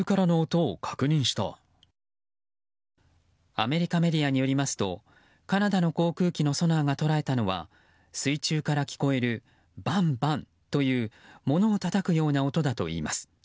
アメリカメディアによりますとカナダの航空機のソナーが捉えたのは水中から聞こえるバンバンという物をたたくような音だといいます。